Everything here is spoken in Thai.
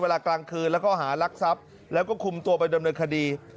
กลางคืนแล้วก็หารักทรัพย์แล้วก็คุมตัวไปดำเนินคดี